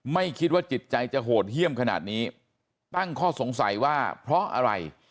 ไม่คิดว่าจิตใจจะโหดเยี่ยมขนาดนี้ตั้งข้อสงสัยว่าเพราะอะไร